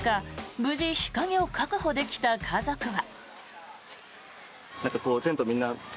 無事、日陰を確保できた家族は。